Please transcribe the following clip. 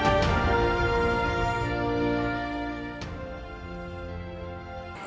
oleh penguji rebel legion di amerika serikat